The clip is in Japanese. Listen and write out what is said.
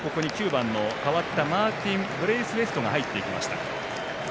９番の代わったマーティン・ブレイスウェイトが入っていきました。